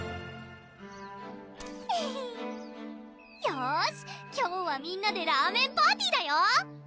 よし今日はみんなでラーメンパーティだよ！